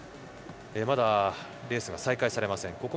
まだレースが再開されません。